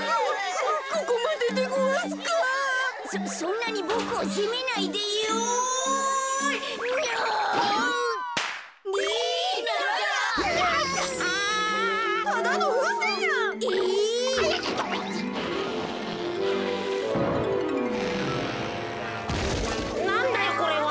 なんだよこれは。